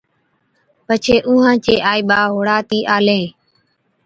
پڇي اُونهان چين آئِي ٻاءَ هُڙاتين آلين